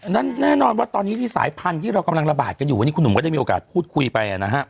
แน่นอนว่าตอนนี้ที่สายพันธุ์ที่เรากำลังระบาดกันอยู่วันนี้คุณหนุ่มก็ได้มีโอกาสพูดคุยไปนะฮะ